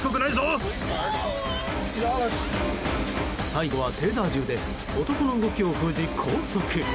最後はテーザー銃で男の動きを封じ、拘束。